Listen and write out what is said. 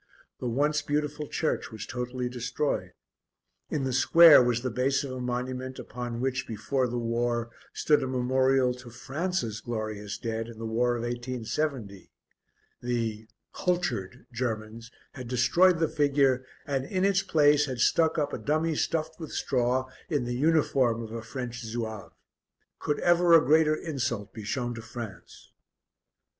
The once beautiful church was totally destroyed. In the square was the base of a monument upon which, before the war, stood a memorial to France's glorious dead in the war of 1870. The "kultured" Germans had destroyed the figure and, in its place, had stuck up a dummy stuffed with straw in the uniform of a French Zouave. Could ever a greater insult be shown to France!